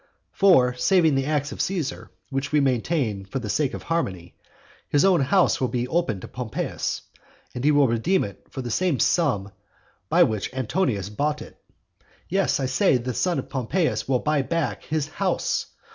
For, saving the acts of Caesar, which we maintain for the sake of harmony, his own house will be open to Pompeius, and he will redeem it for the same sum for which Antonius bought it. Yes, I say the son of Cnaeus Pompeius will buy back his house.